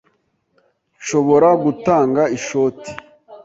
Nshobora gutanga ishoti.